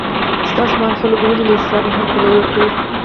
ستاسو په اند خلکو ولې له اسلام هرکلی وکړ؟